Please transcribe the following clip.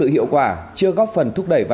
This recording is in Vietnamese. hiệu quả chính tế